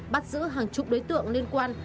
bắt giữ hàng chục đối tượng liên quan